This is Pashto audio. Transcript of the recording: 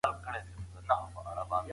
د یو چا اوښکې پاکول لوی عبادت دی.